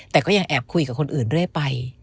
แต่ก็ยังแอบคุยกับคนอื่นเรื่อยไป